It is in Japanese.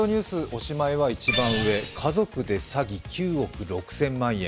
おしまいは一番上家族で詐欺、９億６０００万円